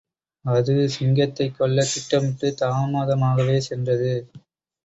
அது சிங்கத்தைக் கொல்லத் திட்டுமிட்டுத் தாமதமாகவே சென்றது.